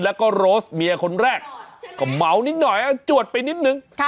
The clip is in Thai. แล้วก็โรสเมียคนแรกก็เมานิดหน่อยจวดไปนิดนึง